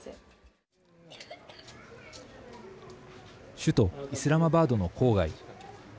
首都イスラマバードの郊外。